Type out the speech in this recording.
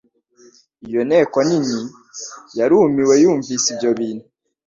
Iyo nteko nini yarumiwe yumvise ibyo bintu,